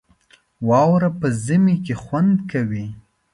واوره په ژمي کې خوند کوي